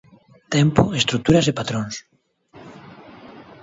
Tempo, estruturas e patróns.